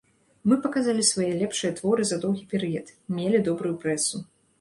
Мы паказалі свае лепшыя творы за доўгі перыяд, мелі добрую прэсу.